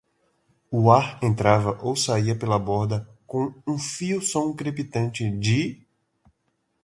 O ar entrava ou saía pela borda com um fino som crepitante de?.